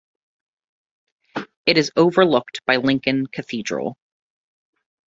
It is overlooked by Lincoln Cathedral.